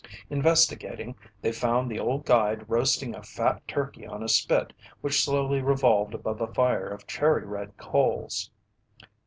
Investigating, they found the old guide roasting a fat turkey on a spit which slowly revolved above a fire of cherry red coals.